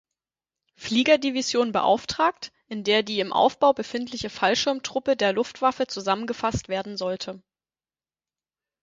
Flieger-Division beauftragt, in der die im Aufbau befindliche Fallschirmtruppe der Luftwaffe zusammengefasst werden sollte.